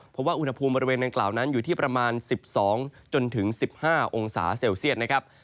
เพราะว่าอุณหภูมิบริเวณดังกล่าวนั้นอยู่ที่ประมาณ๑๒จนถึง๑๕องศาเซลเซียตนะครับ